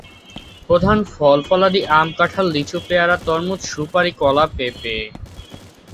প্রধান ফল-ফলাদি আম, কাঁঠাল, লিচু, পেয়ারা, তরমুজ, সুপারি, কলা, পেঁপে।